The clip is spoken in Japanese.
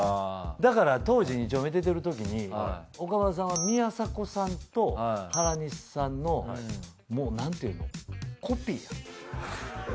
だから当時２丁目出てるときに岡村さん宮迫さんと原西さんのもう何て言うのコピーやった。